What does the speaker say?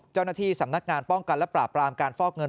เจ้าหน้าที่สำนักงานป้องกันและปราบรามการฟอกเงิน